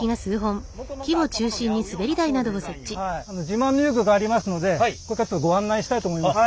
自慢の遊具がありますのでこれからちょっとご案内したいと思います。